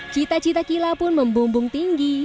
cita cita kila pun membumbung tinggi